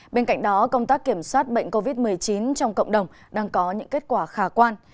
bên cạnh đó công tác kiểm soát bệnh covid một mươi chín trong cộng đồng đang có những kết quả khả quan